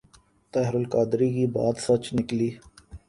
طاہر القادری کی بات سچ نکلی ۔